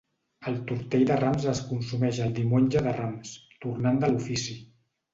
El Tortell de Rams es consumeix el Diumenge de Rams, tornant de l'ofici.